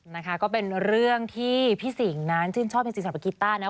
นะคะก็เป็นเรื่องที่พี่สิงห์นั้นชื่นชอบในสินสรรพกีต้านะ